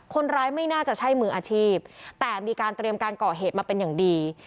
คนร้ายไม่น่าจะใช่มืออาชีพแต่มีการเตรียมการก่อเหตุมาเป็นอย่างดี